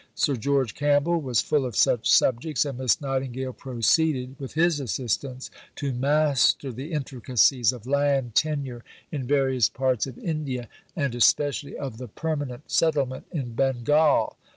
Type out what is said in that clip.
Sir George Campbell was full of such subjects, and Miss Nightingale proceeded, with his assistance, to master the intricacies of Land tenure in various parts of India, and especially of the "Permanent Settlement" in Bengal.